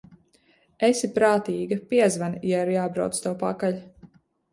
Esi prātīga, piezvani, ja ir jābrauc tev pakaļ.